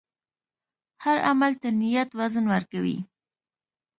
هر عمل ته نیت وزن ورکوي.